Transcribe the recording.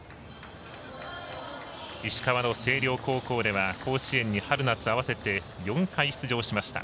石川の星稜高校では甲子園に春夏合わせて４回出場しました。